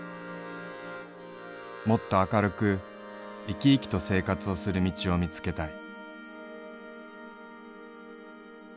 もっと明るく生き生きと生活をする道を見付けたい」。